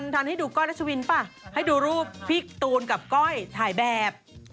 ทำให้ดูก้อยรัชวินป่ะให้ดูรูปพี่ตูนกับก้อยถ่ายแบบ